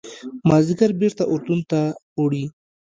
مازیګر بېرته اردن ته اوړي.